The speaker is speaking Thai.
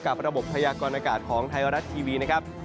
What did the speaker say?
ระบบพยากรณากาศของไทยรัฐทีวีนะครับ